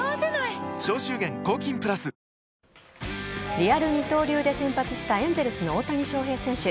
リアル二刀流で先発したエンゼルスの大谷翔平選手。